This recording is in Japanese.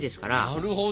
なるほど。